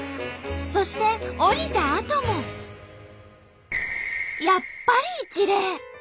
そして降りたあともやっぱり一礼。